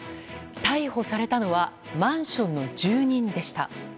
逮捕されたのはマンションの住人でした。